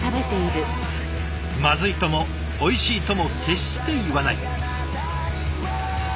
「まずい」とも「おいしい」とも決して言わない。